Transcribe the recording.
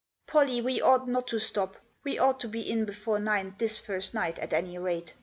" Pollie, we ought not to stop. We ought to be in before nine this first night, at any rate.